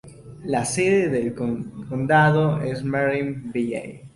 La sede del condado es Marysville.